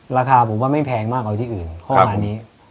ราคาผมว่าไม่แพงมากกว่าที่อื่นประมาณนี้